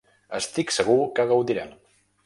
Estic segur que gaudirem.